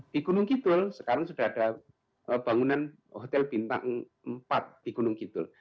di gunung kidul sekarang sudah ada bangunan hotel bintang empat di gunung kidul